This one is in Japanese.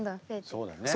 そうだね。